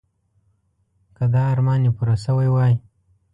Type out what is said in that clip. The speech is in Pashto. که دا ارمان یې پوره شوی وای.